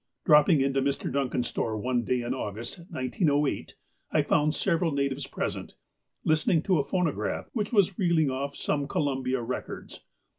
Dropping into Mr. Duncan's store one day in August, 1908, I found several natives present, listening to a phonograph, which was reeling off some Columbia rec ords.